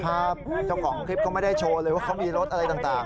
เจ้าของคลิปเขาไม่ได้โชว์เลยว่าเขามีรถอะไรต่าง